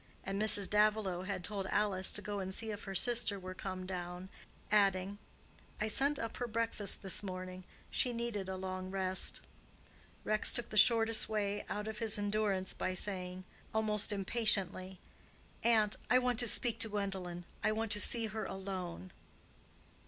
and Mrs. Davilow had told Alice to go and see if her sister were come down, adding, "I sent up her breakfast this morning. She needed a long rest." Rex took the shortest way out of his endurance by saying, almost impatiently, "Aunt, I want to speak to Gwendolen—I want to see her alone."